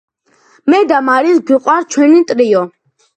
მე და მარის გვიყვარს ჩვენი ტრიო